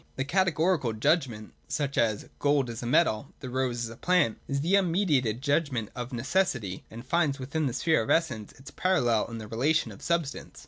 The Categorical judgment (such as ' Gold is a metal,' 'The rose is a plant') is the un mediated judgment of necessity, and finds within the sphere of Essence its parallel in the relation of substance.